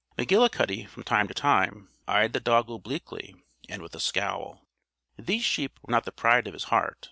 McGillicuddy, from time to time, eyed the dog obliquely, and with a scowl. These sheep were not the pride of his heart.